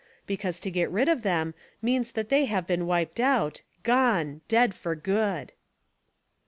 because to get rid of them means that they have been wiped out, gone; dead for good."